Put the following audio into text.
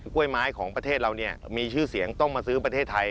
้วยไม้ของประเทศเรามีชื่อเสียงต้องมาซื้อประเทศไทย